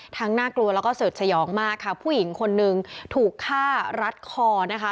น่ากลัวแล้วก็สืบสยองมากค่ะผู้หญิงคนนึงถูกฆ่ารัดคอนะคะ